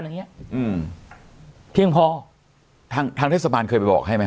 อย่างเงี้ยอืมเพียงพอทางทางเทศบาลเคยไปบอกให้ไหม